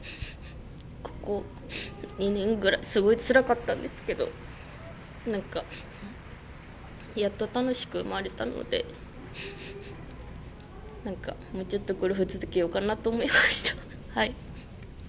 ここ２年ぐらい、すごいつらかったんですけれど、何か、やっと楽しく回れたので、もうちょっとゴルフを続けようかなと思いました。